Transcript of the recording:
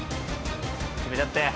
決めちゃって。